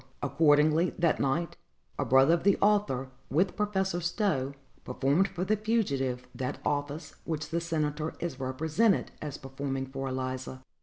Accordingly, that night, a brother of the author, with Professor Stowe, performed for the fugitive that office which the senator is represented as performing for Eliza.